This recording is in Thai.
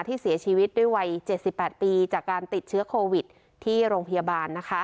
ที่เสียชีวิตด้วยวัยเจ็ดสิบแปดปีจากการติดเชื้อโควิดที่โรงพยาบาลนะคะ